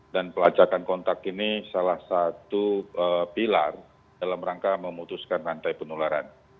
dan pelacakan kontak ini salah satu pilar dalam rangka memutuskan rantai penularan